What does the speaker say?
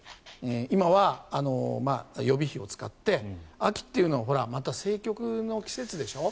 今は予備費を使って秋っていうのはまた政局の季節でしょう。